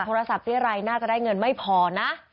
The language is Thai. โทรศัพท์ที่ไลน์น่าจะได้เงินไม่พอนะ